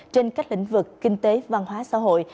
trên các lĩnh vực kinh tế văn hóa xã hội